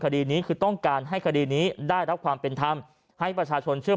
คดีนี้คือต้องการให้คดีนี้ได้รับความเป็นธรรมให้ประชาชนเชื่อ